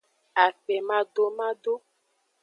Akpemadomado.